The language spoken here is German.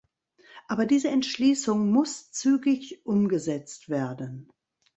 Aber diese Entschließung muss zügig umgesetzt werden.